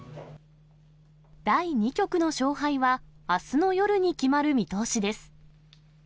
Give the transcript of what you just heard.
第２局の勝敗はあすの夜に決まる見通しです。